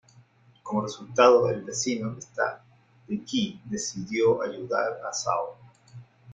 Como resultado, el vecino estado de Qi decidió ayudar a Zhao.